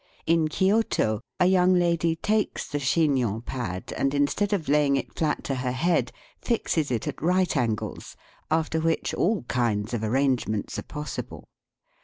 In Kioto a young lady takes the chignon pad, and instead of laying it flat to her head, fixes it at right angles, after which all kinds of arrangements are possible.